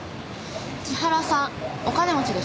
千原さんお金持ちでしょ？